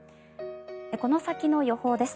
この先の予報です。